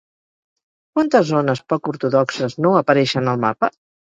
Quantes zones poc ortodoxes no apareixen al mapa?